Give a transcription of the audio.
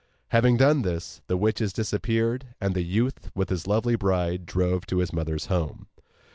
Having done this, the witches disappeared, and the youth with his lovely bride drove to his mother's home.